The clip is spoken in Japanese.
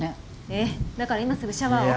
ええだから今すぐシャワーを。